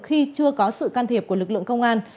khi chưa có sự can thiệp của lực lượng công an